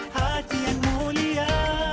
hati yang mulia